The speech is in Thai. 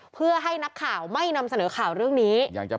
เพื่อให้นักข่าวไม่นำเสนอข่าวเรื่องนี้